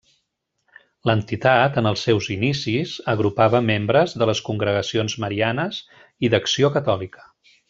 L'entitat, en els seus inicis, agrupava membres de les congregacions marianes i d'Acció Catòlica.